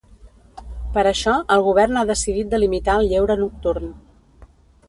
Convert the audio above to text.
Per això el govern ha decidit de limitar el lleure nocturn.